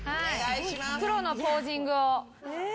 プロのポージングを。